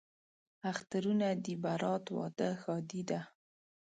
اخترونه دي برات، واده، ښادي ده